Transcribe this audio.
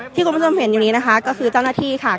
คุณผู้ชมเห็นอยู่นี้นะคะก็คือเจ้าหน้าที่ค่ะ